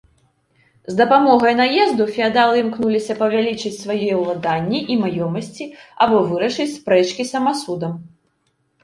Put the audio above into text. З дапамогай наезду феадалы імкнуліся павялічыць свае ўладанні і маёмасці або вырашыць спрэчкі самасудам.